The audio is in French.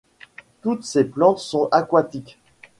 Toutes ces plantes sont aquatiques.